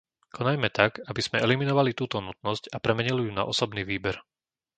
Konajme tak, aby sme eliminovali túto nutnosť a premenili ju na osobný výber.